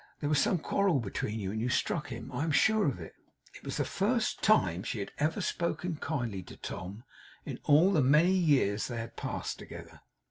There was some quarrel between you, and you struck him? I am sure of it!' It was the first time she had ever spoken kindly to Tom, in all the many years they had passed together.